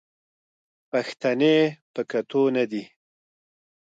پښتنې په کتو نه دي